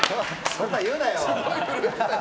そんなに言うなよ。